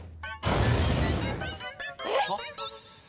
えっ！？